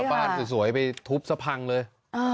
บ้านสวยไปทุบสะพังเลย